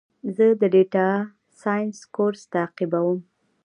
زه د ډیټا ساینس کورس تعقیبوم.